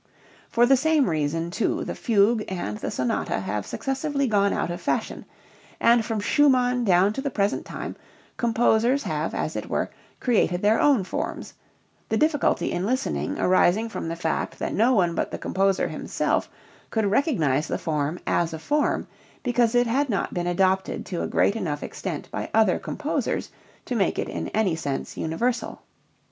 For this same reason too the fugue and the sonata have successively gone out of fashion and from Schumann down to the present time composers have as it were created their own forms, the difficulty in listening arising from the fact that no one but the composer himself could recognize the form as a form because it had not been adopted to a great enough extent by other composers to make it in any sense universal.